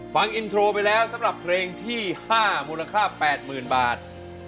ฟังอินโทรไปแล้วสำหรับเพลงที่๕มูลค่า๘๐๐๐บาท